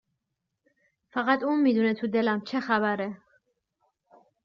فقط اون میدونه تو دلم چه خبره